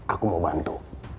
aku mau bantu